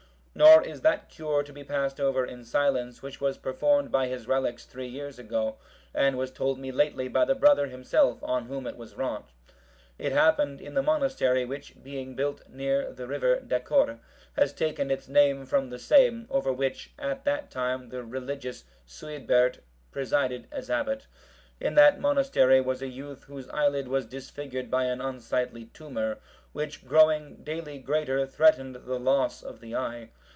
Nor is that cure to be passed over in silence, which was performed by his relics three years ago, and was told me lately by the brother himself, on whom it was wrought. It happened in the monastery, which, being built near the river Dacore,(764) has taken its name from the same, over which, at that time, the religious Suidbert(765) presided as abbot. In that monastery was a youth whose eyelid was disfigured by an unsightly tumour, which growing daily greater, threatened the loss of the eye.